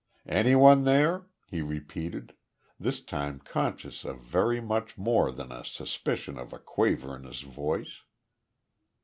"Any one there?" he repeated, this time conscious of very much more than a suspicion of a quaver in his voice.